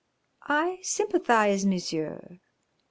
"I sympathise, Monsieur.